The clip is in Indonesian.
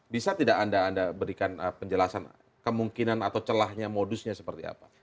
bisa tidak anda berikan penjelasan kemungkinan atau celahnya modusnya seperti apa